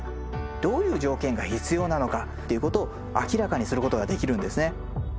どういう条件が必要なのかっていうことを明らかにすることができるんですね。